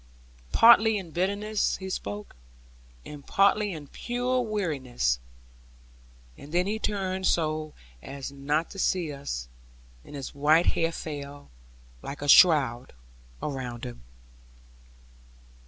Partly in bitterness he spoke, and partly in pure weariness, and then he turned so as not to see us; and his white hair fell, like a shroud, around him.